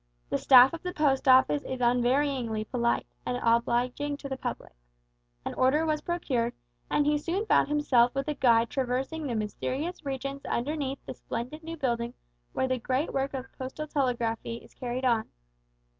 The staff of the Post Office is unvaryingly polite and obliging to the public. An order was procured, and he soon found himself with a guide traversing the mysterious regions underneath the splendid new building where the great work of postal telegraphy is carried on.